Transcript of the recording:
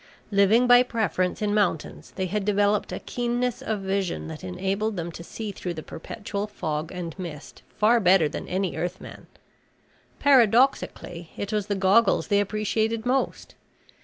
Living by preference in mountains, they had developed a keenness of vision that enabled them to see through the perpetual fog and mist far better than any Earthman. Paradoxically it was the goggles they appreciated most.